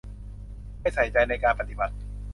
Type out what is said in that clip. ไม่ใส่ใจในการปฏิบัติ